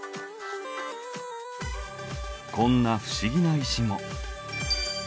こんな不思議な石も。